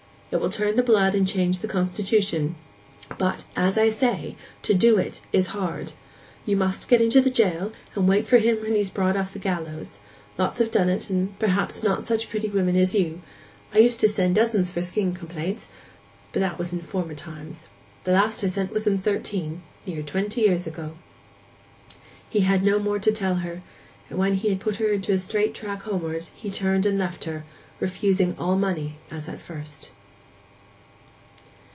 'It will turn the blood and change the constitution. But, as I say, to do it is hard. You must get into jail, and wait for him when he's brought off the gallows. Lots have done it, though perhaps not such pretty women as you. I used to send dozens for skin complaints. But that was in former times. The last I sent was in '13—near twenty years ago.' He had no more to tell her; and, when he had put her into a straight track homeward, turned and left her, refusing all money as at first.